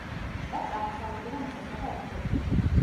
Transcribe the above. შტატს აღმოსავლეთიდან ესაზღვრება ეთიოპია.